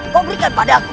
kau berikan padaku